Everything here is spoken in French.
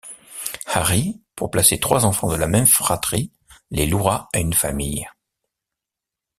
Harry, pour placer trois enfants de la même fratrie, les louera à une famille.